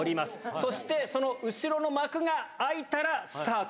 そして、その後ろの幕が開いたら、スタート。